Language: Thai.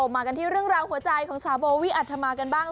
มากันที่เรื่องราวหัวใจของสาวโบวี่อัธมากันบ้าง